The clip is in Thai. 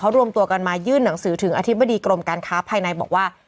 รวมตัวกันมายื่นหนังสือถึงอธิบดีกรมการค้าภายในบอกว่า